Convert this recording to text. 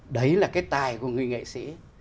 đấy là cái tài của người nghệ sĩ ấy